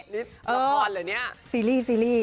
ละครเหรอเนี่ยซีรีส์